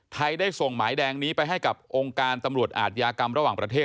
ได้ส่งหมายแดงนี้ไปให้กับองค์การตำรวจอาทยากรรมระหว่างประเทศ